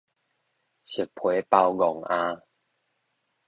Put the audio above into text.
熟皮包戇餡